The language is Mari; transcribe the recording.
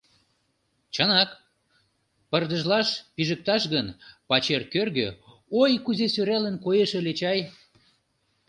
Чынак, пырдыжлаш пижыкташ гын, пачер кӧргӧ, ой, кузе сӧралын коеш ыле чай.